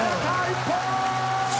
一本！